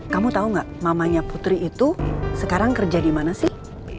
kamu tau gak mamanya putri itu sekarang kerja dimana sih